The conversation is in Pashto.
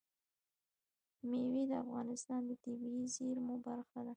مېوې د افغانستان د طبیعي زیرمو برخه ده.